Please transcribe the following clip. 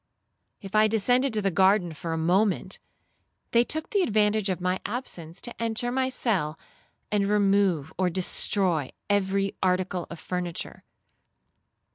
If I descended to the garden for a moment, they took the advantage of my absence to enter my cell, and remove or destroy every article of furniture.